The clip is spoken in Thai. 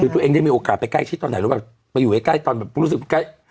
ตัวเองได้มีโอกาสไปใกล้ชิดตอนไหนรู้ป่ะไปอยู่ใกล้ตอนแบบรู้สึกใกล้